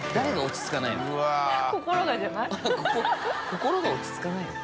心が落ち着かないの？